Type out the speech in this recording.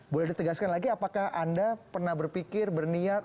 boleh ditegaskan lagi apakah anda pernah berpikir berniat